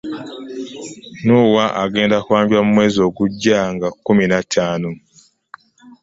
Norah agenda kwanjula mu mwezi ogujja nga kkumi na ttaano.